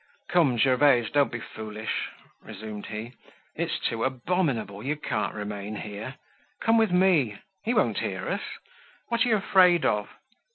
"Come, Gervaise, don't be foolish," resumed he. "It's too abominable; you can't remain here. Come with me. He won't hear us. What are you afraid of?"